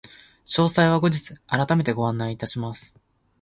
詳細は後日改めてご案内いたします。